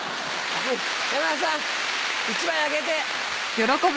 山田さん１枚あげて。